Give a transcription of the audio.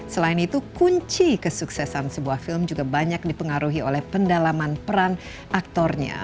selain itu kunci kesuksesan sebuah film juga banyak dipengaruhi oleh pendalaman peran aktornya